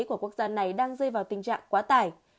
của quốc gia này đang rơi vào tình trạng quá tải